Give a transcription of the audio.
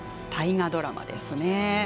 大河ドラマですね。